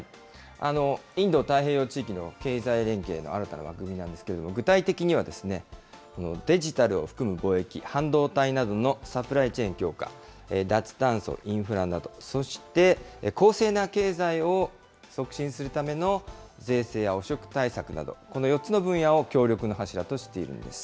インド太平洋地域の経済連携の新たな枠組みなんですけれども、具体的には、このデジタルを含む貿易、半導体などのサプライチェーン強化、脱炭素・インフラなど、そして公正な経済を促進するための、税制や汚職対策など、この４つの分野を協力の柱としているんです。